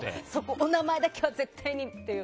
お名前だけは絶対にという。